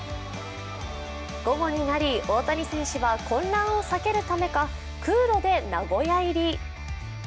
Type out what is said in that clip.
午後になり、大谷選手は混乱を避けるためか空路で名古屋入り。